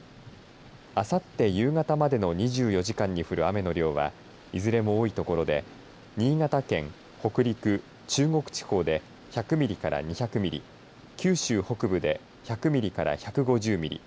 あさって夕方までの２４時間に降る雨の量はいずれも多い所で新潟県、北陸中国地方で１００ミリから２００ミリ九州北部で１００ミリから１５０ミリ